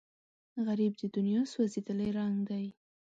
غریب د دنیا سوځېدلی رنګ دی